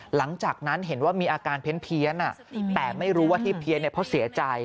หลังจากนั้นเห็นว่ามีอาการเพี้ยนแต่ไม่รู้ว่าที่เพี้ยนเนี่ยเพราะเสียใจ